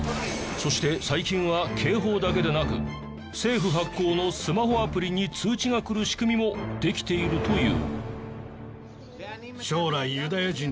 そして最近は警報だけでなく政府発行のスマホアプリに通知が来る仕組みもできているという。